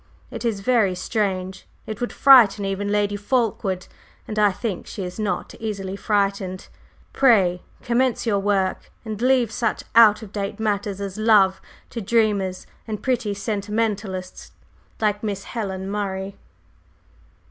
It is very strange, it would frighten even Lady Fulkeward, and I think she is not easily frightened. Pray commence your work, and leave such an out of date matter as love to dreamers and pretty sentimentalists, like Miss Helen Murray."